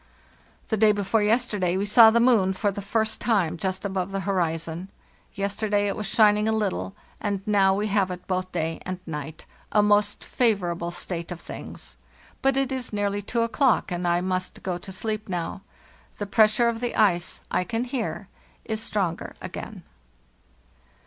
"The day before yesterday we saw the moon for the first time just above the horizon. Yesterday it was shin ing a little, and now we have it both day and night. A most favorable state of things. But it is nearly 2 o'clock, and I must go to sleep now. The pressure of the ice, I can hear, is stronger again.